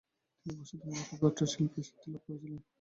তিনি প্রসিদ্ধ, মূলত পোর্ট্রেট শিল্পে সিদ্ধি লাভ করেছিলেন।